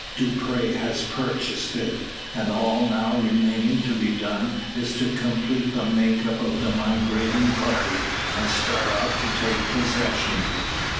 Dupre has purchased it; and all now remaining to be done is to complete the make up of the migrating party, and start off to take possession.